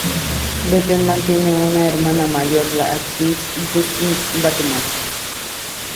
Bateman tiene una hermana mayor, la actriz Justine Bateman.